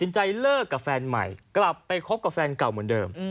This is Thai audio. ใจเลิกกับแฟนใหม่กลับไปคบกับแฟนเก่าเหมือนเดิม